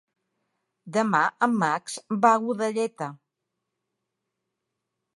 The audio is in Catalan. Demà en Max va a Godelleta.